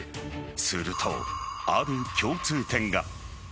すると、ある共通点が。